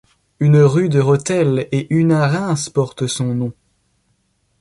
Une rue de Rethel et une à Reims portent son nom.